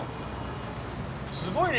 すごいね！